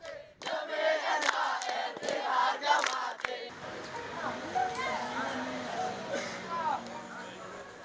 demi njp harga mati